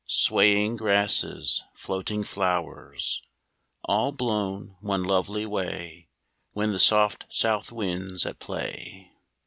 Swaying grasses, floating flowers, All blown one lovely way WHen the soft south wind's at play